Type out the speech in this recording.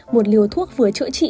một liều thuốc vừa chữa trị